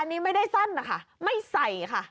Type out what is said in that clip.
อันนี้ไม่ได้สั้นนะคะไม่ใส่ค่ะ